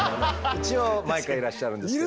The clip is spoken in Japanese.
一応毎回いらっしゃるんですけれども。